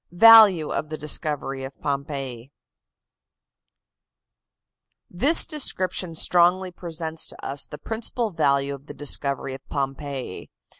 VALUE OF THE DISCOVERY OF POMPEII This description strongly presents to us the principal value of the discovery of Pompeii.